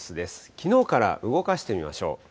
きのうから動かしてみましょう。